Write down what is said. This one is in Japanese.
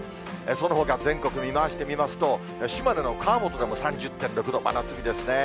そのほか全国見回してみますと、島根の川本でも３０．６度、真夏日ですね。